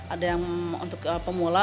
ada yang untuk pemula